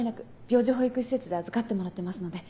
病児保育施設で預かってもらってますので。